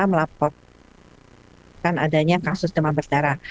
melaporkan adanya kasus demam berdarah